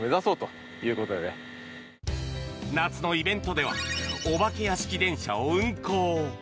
夏のイベントではお化け屋敷電車を運行。